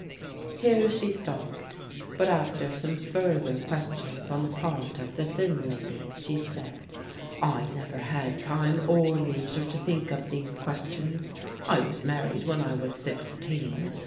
'" Here she stopped, but after some further questions on the part of the thin lady, she said: "I never had time or leisure to think of these questions. I was married when I was sixteen.